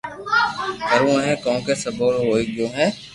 ڪروُ ھي ڪونڪھ سبو رو ھوئي گيو ھي